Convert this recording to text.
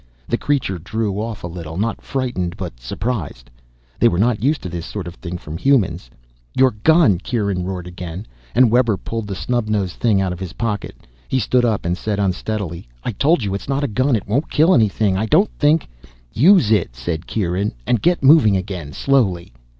The creature drew off a little, not frightened but surprised. They were not used to this sort of thing from humans. "Your gun!" Kieran roared again, and Webber pulled the snub nosed thing out of his pocket. He stood up and said unsteadily, "I told you, it's not a gun. It won't kill anything. I don't think " "Use it," said Kieran. "And get moving again. Slowly."